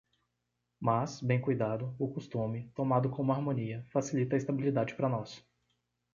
Mas, bem cuidado, o costume, tomado como harmonia, facilita a estabilidade para nós.